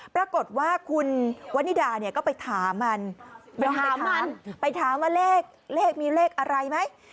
ปรากฏว่าคุณวันนิดาก็ไปถามมันไปถามว่าเลขมีเลขอะไรไหม